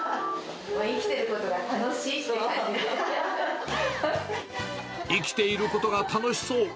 生きてることが楽しいっていう感生きてることが楽しそう。